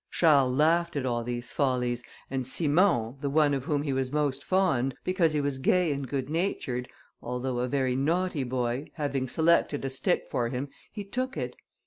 Charles laughed at all these follies, and Simon, the one of whom he was most fond, because he was gay and good natured, although a very naughty boy, having selected a stick for him, he took it.